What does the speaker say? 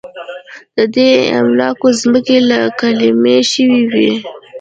د دې املاکو ځمکې له کومه شوې وې.